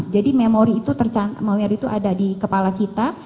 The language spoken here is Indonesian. jadi memori itu tercantum memori itu ada di kepala kita